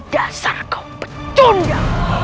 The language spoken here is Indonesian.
dasar kau petunda